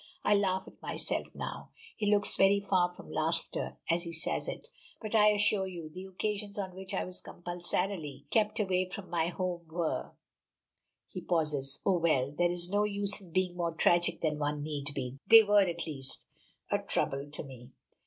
I laugh at myself now," he looks very far from laughter as he says it, "but I assure you the occasions on which I was compulsorily kept away from my home were " He pauses, "oh, well, there is no use in being more tragic than one need be. They were, at least, a trouble to me."